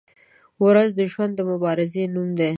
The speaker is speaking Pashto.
• ورځ د ژوند د مبارزې نوم دی.